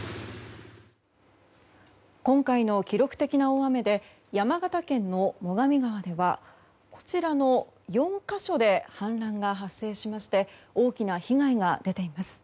今回の記録的な大雨で山形県の最上川では４か所で氾濫が発生しまして大きな被害が出ています。